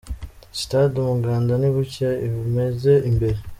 Sitade Umuganda ni gutya imeze imbere.